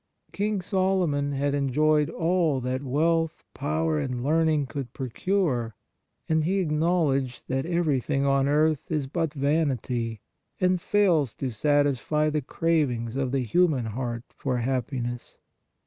King Solomon had enjoyed all that wealth, power and learning could procure, and he acknowledged that everything on earth is but vanity and fails to satisfy the cravings of the human heart for happiness.